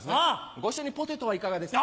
ご一緒にポテトはいかがですか？